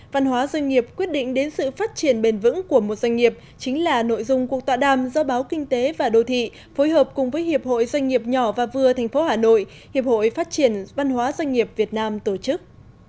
văn hóa doanh nghiệp quyết định đến sự phát triển bền vững của một doanh nghiệp chính là nội dung cuộc tọa đàm do báo kinh tế và đô thị phối hợp cùng với hiệp hội doanh nghiệp nhỏ và vừa tp hà nội hiệp hội phát triển văn hóa doanh nghiệp việt nam tổ chức